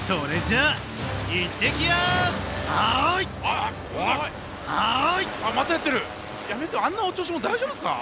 あんなお調子者大丈夫ですか？